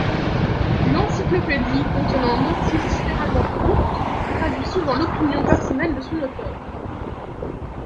L'encyclopédie, contenant notices généralement courtes, traduit souvent l'opinion personnelle de son auteur.